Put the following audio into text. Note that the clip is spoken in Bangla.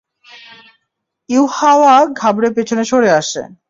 ইউহাওয়া ঘাবড়ে পিছনে সরে আসে।